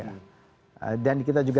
dan kita juga tidak bisa menggoda